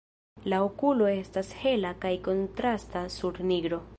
La okulo estas hela kaj kontrasta sur nigro.